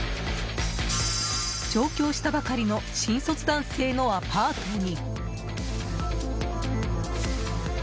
上京したばかりの新卒男性のアパートに。